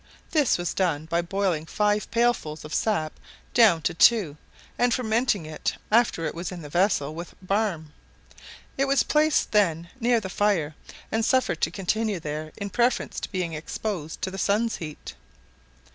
This was done by boiling five pails full of sap down to two, and fermenting it after it was in the vessel with barm; it was then placed near the fire, and suffered to continue there in preference to being exposed to the sun's heat.